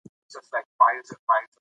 رسنۍ د تعصب پر ضد رول لري